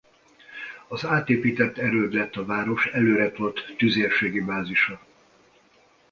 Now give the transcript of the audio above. Az átépített erőd lett a város előretolt tüzérségi bázisa.